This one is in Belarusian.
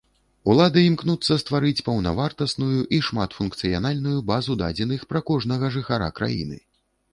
Улады імкнуцца стварыць паўнавартасную і шматфункцыянальную базу дадзеных пра кожнага жыхара краіны.